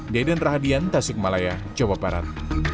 deden rahadian tasik malaya coba parat